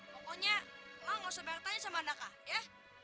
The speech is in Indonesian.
pokoknya mak gak usah bertanya sama daka ya